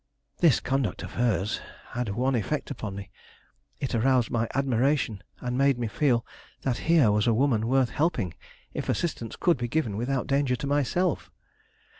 This conduct of hers had one effect upon me. It aroused my admiration and made me feel that here was a woman worth helping if assistance could be given without danger to myself.